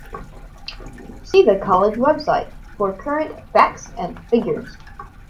See the college website for current Facts and Figures.